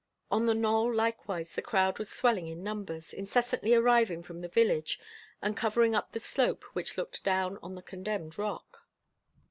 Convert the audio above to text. On the knoll likewise the crowd was swelling in numbers, incessantly arriving from the village, and covering up the slope which looked down on the condemned rock.